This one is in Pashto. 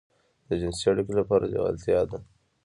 د جنسي اړيکې لپاره لېوالتيا ده.